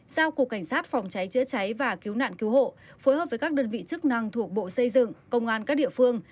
hai giao cục cảnh sát phòng cháy chữa cháy và cứu nạn cứu hộ phối hợp với các đơn vị chức năng thuộc bộ xây dựng công an các địa phương